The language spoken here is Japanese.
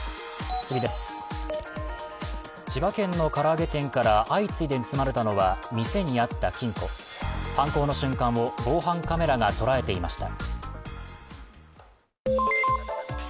千葉県の唐揚げ店から相次いで盗まれたのは店にあった金庫犯行の瞬間を防犯カメラがとらえていました。